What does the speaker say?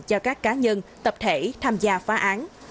cho các cá nhân tập thể tham gia phá án